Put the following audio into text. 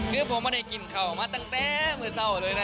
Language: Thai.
คือผมไม่ได้กลิ่นเขามาตั้งแต่มือโซ่เลยนะ